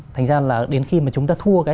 thành ra là đến khi mà chúng ta thua